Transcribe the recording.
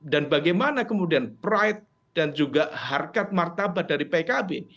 dan bagaimana kemudian pride dan juga harkat martabat dari pkb